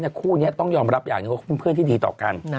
ก็คู่นี้ต้องรับยอมอย่างของเพื่อนที่ดีต่อกัน